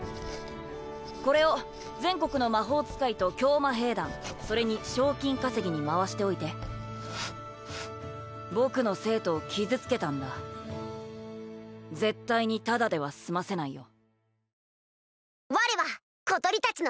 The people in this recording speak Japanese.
これを全国の魔法使いと教魔兵団それに賞金稼ぎに回しておいて僕の生徒を傷つけたんだ絶対にただでは済ませないよ